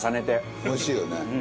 おいしいよね。